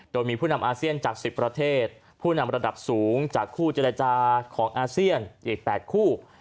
โดยมีผู้นำอาเซียนจาก๑๐ประเทศผู้นำระดับสูงจากคู่เจรจาของอาเซียนอีก๘คู่